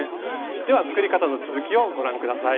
では作り方の続きをご覧下さい。